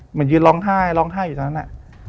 เหมือนยืนร้องไห้ร้องไห้อยู่ตอนนั้นน่ะ